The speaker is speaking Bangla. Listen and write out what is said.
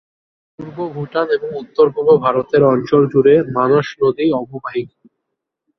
পূর্ব ভুটান এবং উত্তর-পূর্ব ভারতের অঞ্চল জুড়ে মানস নদীর অববাহিকা।